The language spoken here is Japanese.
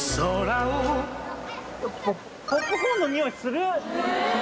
ポップコーンのにおいする！